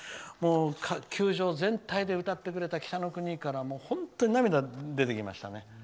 球場全体で歌ってくれた「北の国から」には本当に涙が出てきましたね。